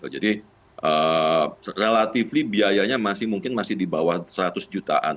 jadi relatif biayanya masih mungkin masih di bawah seratus jutaan